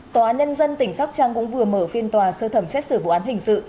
tòa án nhân dân tỉnh sóc trăng cũng vừa mở phiên tòa sơ thẩm xét xử vụ án hình sự